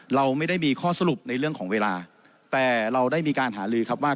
เราไม่ได้มีข้อสรุปในเรื่องของเวลาแต่เราได้มีการหาลือครับว่า